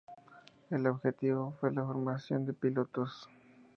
El objetivo fue la formación de pilotos.